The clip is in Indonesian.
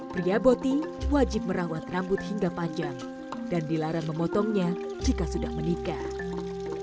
pria boti wajib merawat rambut hingga panjang dan dilarang memotongnya jika sudah menikah